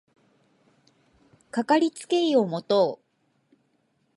かかりつけ医を持とう